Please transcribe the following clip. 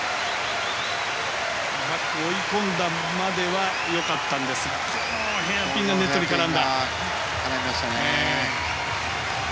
バックに追い込んだまでは良かったんですがこのヘアピンがネットに絡んだ。